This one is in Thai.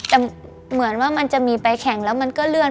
แต่เหมือนว่ามันจะมีไปแข่งแล้วมันก็เลื่อน